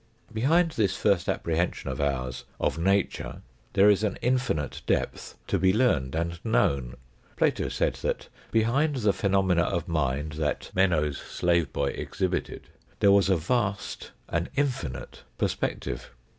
Behind this first apprehension of ours of nature, there is an infinite depth to be learned and known. Plato said that behind the phenomena of mind that Meno's slave boy exhibited, there was a vast, an infinite perspective.